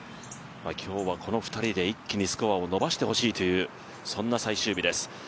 今日はこの２人で一気にスコアを伸ばしてほしいというそんな最終日です。